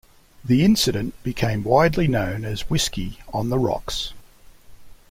The incident became widely known as Whiskey on the Rocks.